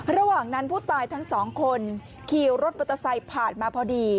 ระหว่างนั้นผู้ตายทั้งสองคนขี่รถมอเตอร์ไซค์ผ่านมาพอดี